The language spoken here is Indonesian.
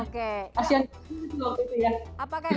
kasihan juga waktu itu ya